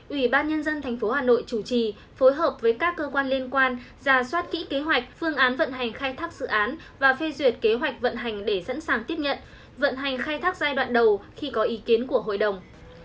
ủy ban nhân dân tp hà nội chủ trì phối hợp với các cơ quan liên quan ra soát kỹ kế hoạch phương án vận hành khai thác dự án và phê duyệt kế hoạch vận hành để sẵn sàng tiếp nhận vận hành khai thác giai đoạn đầu khi có ý kiến của hội đồng